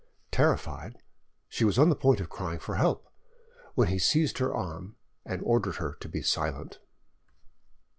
Terrified, she was on the point of crying for help, when he seized her arm and ordered her to be silent.